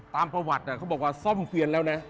ตามประวัติเขาบอกว่าซ่อมเกวียนแล้วนะ